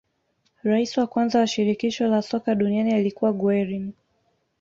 Rais wa kwanza wa shirikisho la soka duniani alikuwa guerin